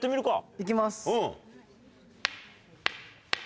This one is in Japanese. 行きます。